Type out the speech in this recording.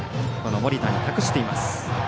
盛田に託しています。